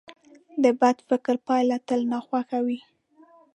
د بد فکر پایله تل ناخوښه وي.